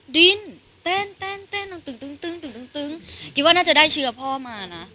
ดินเต้นเต้นคิดว่าน่าจะได้เชื้อพ่อมานะ